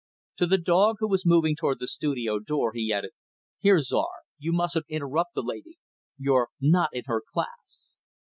To the dog who was moving toward the studio door, he added; "Here, Czar, you mustn't interrupt the lady. You're not in her class."